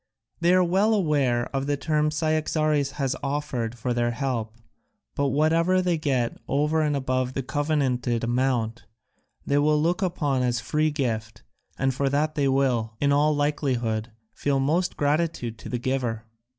They are well aware of the terms Cyaxares has offered for their help: but whatever they get over and above the covenanted amount they will look upon as a free gift, and for that they will, in all likelihood, feel most gratitude to the giver."